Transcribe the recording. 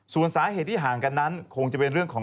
ส่วนสาเหตุที่ห่างกันนั้นคงจะเป็นเรื่องของ